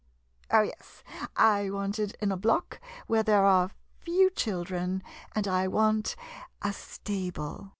Oh, yes, I want it in a block where there are few children, and I want a stable.